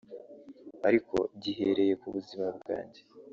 ariko gihereye ku buzima bwanjye